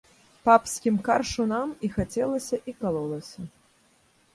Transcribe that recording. Папскім каршунам і хацелася і калолася.